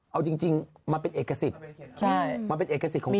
เอาจริงมันเป็นเอกสิทธิ์มันเป็นเอกสิทธิ์ของเรา